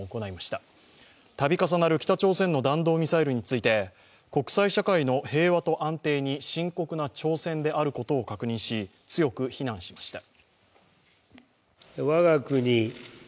たび重なる北朝鮮の弾道ミサイルについて国際社会の平和と安定に深刻な挑戦であることを確認し強く非難しました。